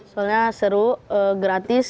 soalnya seru gratis